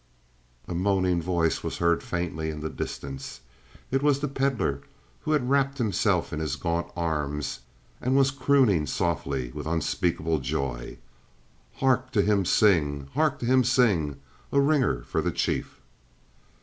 A moaning voice was heard faintly in the distance. It was the Pedlar, who had wrapped himself in his gaunt arms and was crooning softly, with unspeakable joy: "Hark to him sing! Hark to him sing! A ringer for the chief!"